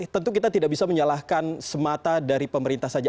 tentu kita tidak bisa menyalahkan semata dari pemerintah saja